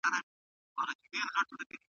هغه د هرات په ساتنه کې خپل ژوند قربان کړ.